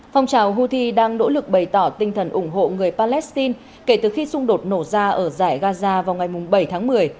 phong trào houthi đang nỗ lực bày tỏ tinh thần ủng hộ người palestine kể từ khi xung đột nổ ra ở giải gaza vào ngày bảy tháng một mươi